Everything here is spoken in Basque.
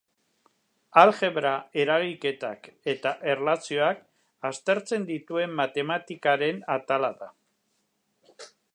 Aljebra eragiketak eta erlazioak aztertzen dituen matematikaren atala da.